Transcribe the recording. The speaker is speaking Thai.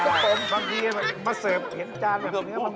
เออเจอเหรอครับผมค่ะจริง